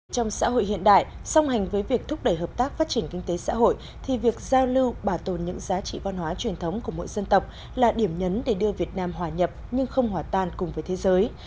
trong xã hội hiện đại song hành với việc thúc đẩy hợp tác phát triển kinh tế xã hội thì việc giao lưu bảo tồn những giá trị văn hóa truyền thống của mỗi dân tộc là điểm nhấn để đưa việt nam hòa nhập nhưng không hòa tan cùng với thế giới